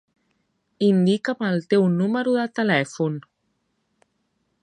Indica'm el teu número de telèfon.